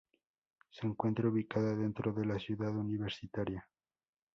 Se encuentra ubicada dentro de la Ciudad Universitaria.